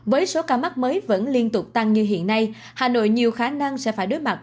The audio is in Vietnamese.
với số ca mắc mới vẫn liên tục tăng như hiện nay hà nội nhiều khả năng sẽ phải đối mặt